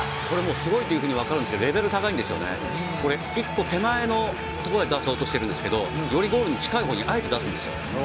これもう、すごいというふうに分かるんですけれども、レベル、高いんですけれども、これ、１個手前のところで出そうとしてるんですけど、よりゴールに近いほうにあえて出すんですよ。